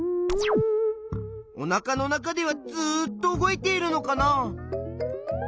おなかの中ではずっと動いているのかな？